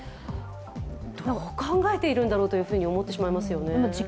どう考えているんだろうと思ってしまいますよね。